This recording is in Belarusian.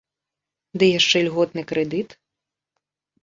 Ды яшчэ льготны крэдыт.